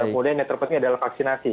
kemudian yang terpenting adalah vaksinasi